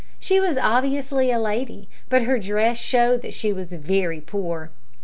She was obviously a lady, but her dress showed that she was very poor.